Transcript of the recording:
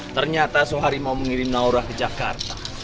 ternyata suhari mau mengirim naura ke jakarta